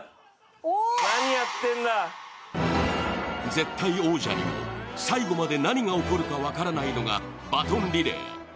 絶対王者にも最後まで何が起こるか分からないのがバトンリレー。